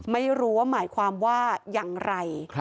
ไม่รู้ว่าหมายความว่าอย่างไร